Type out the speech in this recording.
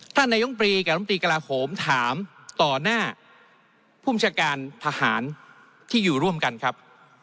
ท่านนายองปรีกับอมตรีกลาโขมถามต่อหน้าภูมิชาการพหารที่อยู่ร่วมกันครับ